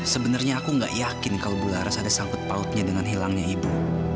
sebenarnya aku nggak yakin kalau bu laras ada sanggup bautnya dengan hilangnya ibu